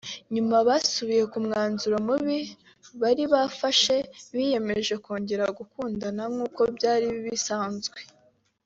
nyuma basubira ku mwanzuro mubi bari bafashe biyemeza kongera gukundana nkuko byari bisanzwe